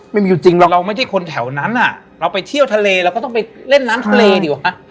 ไม่มีอยู่จริงหรอกเราไม่ใช่คนแถวนั้นอ่ะเราไปเที่ยวทะเลเราก็ต้องไปเล่นน้ำทะเลดีกว่า